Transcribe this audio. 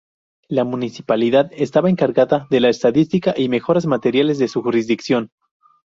La Municipalidad estaba encargada de la estadística y mejoras materiales de su jurisdicción.